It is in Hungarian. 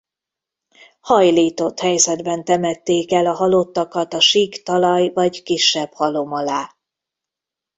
Hajlított helyzetben temették el a halottakat a sík talaj vagy kisebb halom alá.